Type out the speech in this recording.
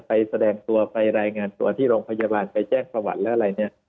แสดงตัวไปรายงานตัวที่โรงพยาบาลไปแจ้งประวัติแล้วอะไรเนี่ย